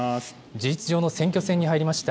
事実上の選挙戦に入りました。